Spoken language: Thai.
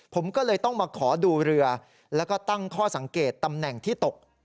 ผมก็เลยต้องมาขอดูเรือแล้วก็ตั้งข้อสังเกตตำแหน่งที่ตก